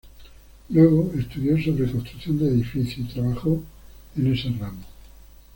Luego estudió sobre construcción de edificios, y trabajó en ese ramo.